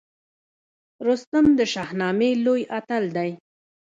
رستم د شاهنامې لوی اتل دی